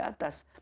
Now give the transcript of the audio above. yang di atas